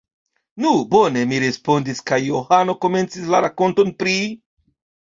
Nu, bone! mi respondis, kaj Johano komencis la rakonton pri: